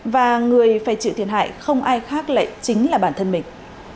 và người phải chịu thiệt hại không ai khác lại chính là bản thân mình